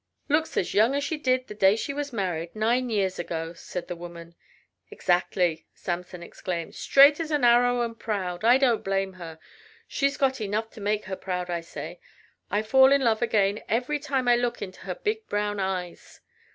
"Looks as young as she did the day she was married nine years ago," said the woman. "Exactly!" Samson exclaimed. "Straight as an arrow and proud! I don't blame her. She's got enough to make her proud I say. I fall in love again every time I look into her big brown eyes."